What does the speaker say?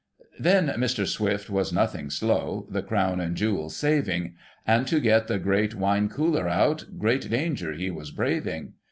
Then Mr. Swifte was nothing slow The Crown and Jewels saving ; And to get the great Wine Cooler out, Great danger he was braving.